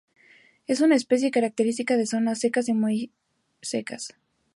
Es una especie característica de zonas secas y muy secas.